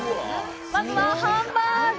まずはハンバーグ。